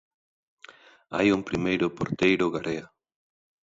Hai un primeiro Porteiro Garea.